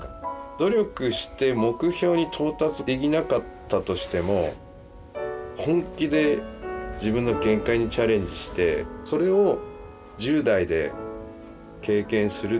努力して目標に到達できなかったとしても本気で自分の限界にチャレンジしてそれを１０代で経験する。